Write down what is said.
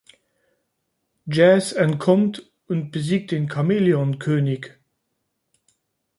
Jazz entkommt und besiegt den Chamäleon-König.